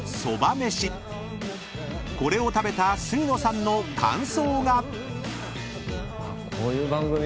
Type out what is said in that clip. ［これを食べた杉野さんの感想が］